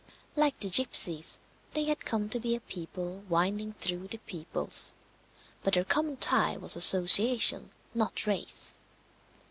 Like the gipsies, they had come to be a people winding through the peoples; but their common tie was association, not race.